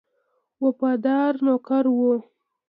وفادار نوکر وو.